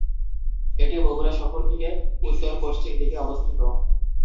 এটি বগুড়া শহর থেকে উত্তর পশ্চিম দিকে অবস্থিত।